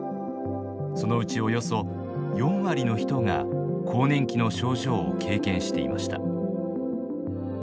そのうちおよそ４割の人が更年期の症状を経験していました。